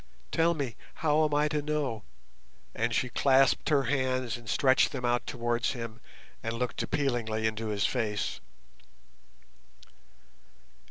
Tell me how am I to know?" And she clasped her hands and stretched them out towards him and looked appealingly into his face.